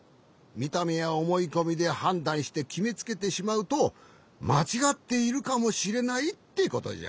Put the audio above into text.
みためやおもいこみではんだんしてきめつけてしまうとまちがっているかもしれないってことじゃ。